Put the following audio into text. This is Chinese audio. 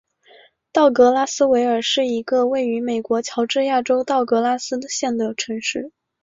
道格拉斯维尔是一个位于美国乔治亚州道格拉斯县的城市。